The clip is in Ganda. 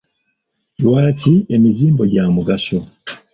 Lwaki emizimbo gya mugaso?